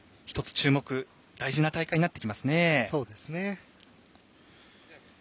注目大事な大会になってきますね。